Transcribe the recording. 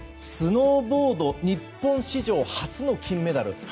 スノーボード日本史上初の金メダル。